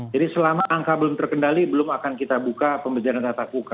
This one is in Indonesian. jadi selama angka belum terkendali belum akan kita buka pembelajaran tatap muka